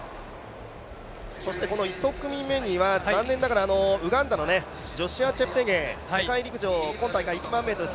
１組目には残念ながらウガンダのジョシュア・チェプテゲイ、世界陸上今回１００００ｍで